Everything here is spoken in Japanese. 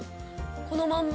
このまんま。